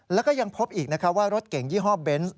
แล้วก็ยังพบอีกว่ารถเก่งยี่ห้อเบนส์